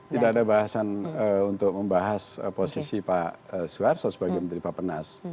tidak ada bahasan untuk membahas posisi pak suarso sebagai menteri bapenas